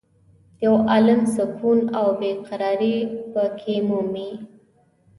یو عالم سکون او بې قرارې په کې مومې.